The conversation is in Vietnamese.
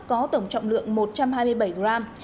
có tổng trọng lượng một trăm hai mươi bảy gram